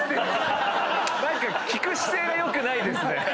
⁉何か聞く姿勢がよくないですね。